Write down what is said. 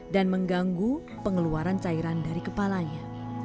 dan mengganggu pengeluaran cairan dari kepalanya